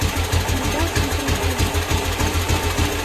Илдар ИБРАҺИМОВ: